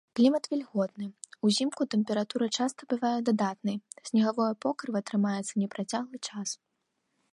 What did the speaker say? Клімат вільготны, узімку тэмпература часта бывае дадатнай, снегавое покрыва трымаецца непрацяглы час.